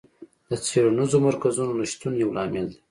د څېړنیزو مرکزونو نشتون یو لامل دی.